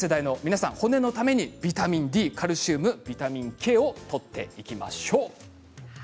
全世代の皆さん骨のためにビタミンＤ、カルシウムビタミンＫをとっていきましょう。